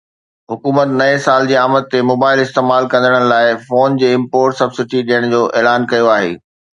حڪومت نئين سال جي آمد تي موبائيل استعمال ڪندڙن لاءِ فون جي امپورٽ سبسڊي ڏيڻ جو اعلان ڪيو آهي